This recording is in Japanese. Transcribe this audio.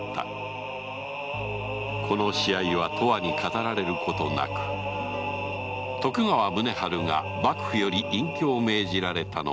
この試合は永久に語られることなく徳川宗春が幕府より隠居を命じられたのはそれから二年のちである